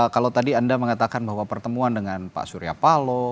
kalau tadi anda mengatakan bahwa pertemuan dengan pak surya palo